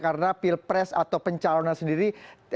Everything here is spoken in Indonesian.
karena pilpres atau pencalonan sendiri